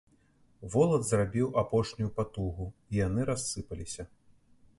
Волат зрабіў апошнюю патугу, і яны рассыпаліся.